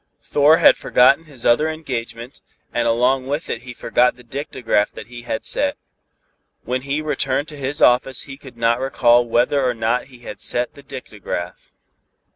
Thor had forgotten his other engagement, and along with it he forgot the dictagraph that he had set. When he returned to his office he could not recall whether or not he had set the dictagraph.